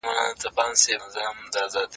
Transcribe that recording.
هیله ده دخوښی وړمو وګرځی.